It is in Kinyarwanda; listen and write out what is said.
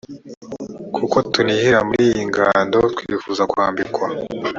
kuko tunihira muri iyi ngando twifuza kwambikwa